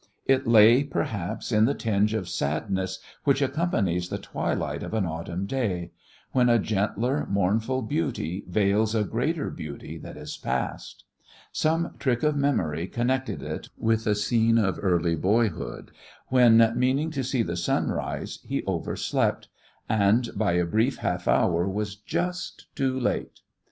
It lay, perhaps, in that tinge of sadness which accompanies the twilight of an autumn day, when a gentler, mournful beauty veils a greater beauty that is past. Some trick of memory connected it with a scene of early boyhood, when, meaning to see the sunrise, he overslept, and, by a brief half hour, was just too late.